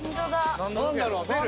何だろう？